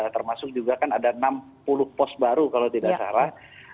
termasuk juga kan ada enam puluh pos baru kalau tidak salah